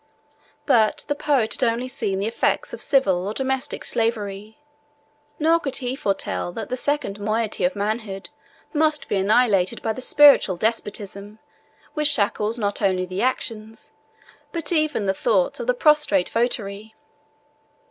But the poet had only seen the effects of civil or domestic slavery, nor could he foretell that the second moiety of manhood must be annihilated by the spiritual despotism which shackles not only the actions, but even the thoughts, of the prostrate votary.